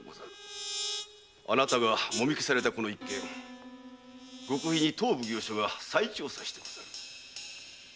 あなたがもみ消されたこの一件極秘に当奉行所が再調査した。